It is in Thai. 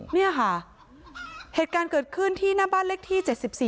นี่ค่ะเหตุการณ์เกิดขึ้นที่หน้าบ้านเลขที่๗๔